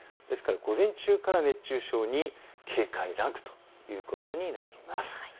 午前中から熱中症に警戒ランクということになります。